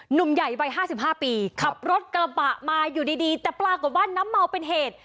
หนุ่มใหญ่ใบห้าสิบห้าปีขับรถกระบะมาอยู่ดีดีแต่ปลาก็ว่าน้ำเมาเป็นเหตุ